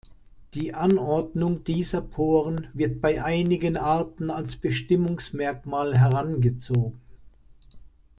Die Anordnung dieser Poren wird bei einigen Arten als Bestimmungsmerkmal herangezogen.